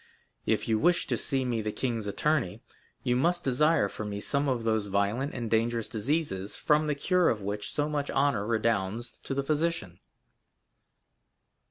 If you wish to see me the king's attorney, you must desire for me some of those violent and dangerous diseases from the cure of which so much honor redounds to the physician."